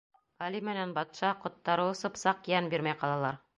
Али менән батша, ҡоттары осоп, саҡ йән бирмәй ҡалалар.